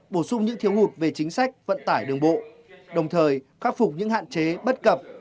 bổ sung những thiếu hụt về chính sách vận tải đường bộ đồng thời khắc phục những hạn chế bất cập